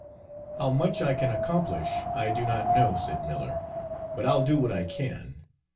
"How much I can accomplish I do not know," said Miller, "but I'll do what I can.